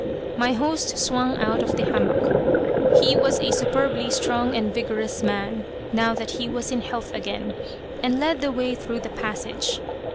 My host swung out of the hammock, he was a superbly strong and vigorous man, now that he was in health again, and led the way through the passage.